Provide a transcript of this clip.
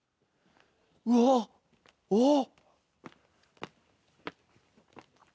うわっ！おっ！